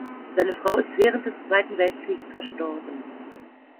Seine Frau ist während des Zweiten Weltkriegs verstorben.